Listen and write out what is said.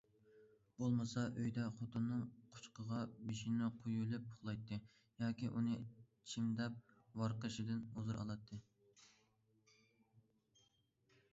بولمىسا ئۆيدە خوتۇنىنىڭ قۇچىقىغا بېشىنى قۇيۇۋېلىپ ئۇخلايتتى، ياكى ئۇنى چىمدىپ ۋارقىرىشىدىن ھۇزۇر ئالاتتى.